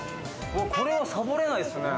これはサボれないですね。